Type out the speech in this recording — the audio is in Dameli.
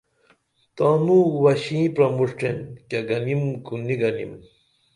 تانوں وشیں پرموشٹین کیہ گنیم کو نی گنیم